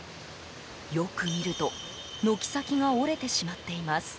よく見ると、軒先が折れてしまっています。